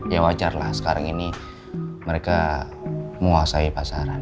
ya wajarlah sekarang ini mereka menguasai pasaran